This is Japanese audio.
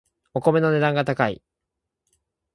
お米の値段が高い